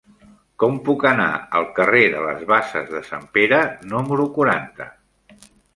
Com puc anar al carrer de les Basses de Sant Pere número quaranta?